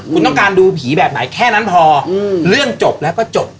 คุณต้องการดูผีแบบไหนแค่นั้นพอเรื่องจบแล้วก็จบ